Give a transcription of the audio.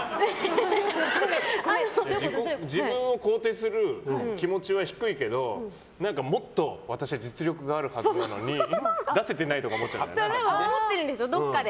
自分を肯定する気持ちは低いけどもっと私は実力があるはずなのに思ってるんです、どこかで。